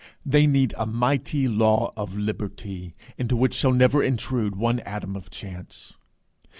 They need a mighty law of liberty, into which shall never intrude one atom of chance.